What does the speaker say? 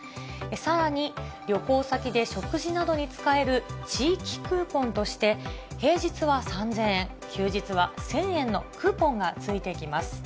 さらに旅行先で食事などに使える地域クーポンとして、平日は３０００円、休日は１０００円のクーポンがついてきます。